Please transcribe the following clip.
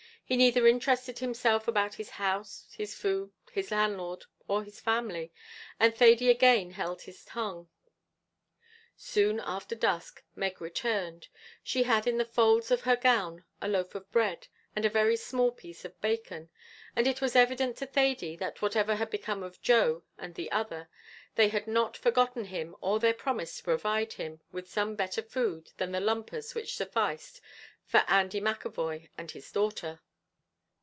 He neither interested himself about his house, his food, his landlord, or his family, and Thady again held his tongue. Soon after dusk Meg returned; she had in the folds of her gown a loaf of bread and a very small piece of bacon, and it was evident to Thady that whatever had become of Joe and the other, they had not forgotten him or their promise to provide him with some better food than the lumpers which sufficed for Andy McEvoy and his daughter.